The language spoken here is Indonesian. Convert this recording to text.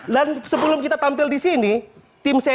dan sebelum kita tampil di sini